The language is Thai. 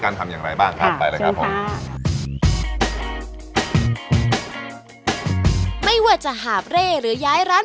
การทำอย่างไรบ้างค่ะไปล่ะครับไม่ว่าจะหาบเรหรือย้ายร้าน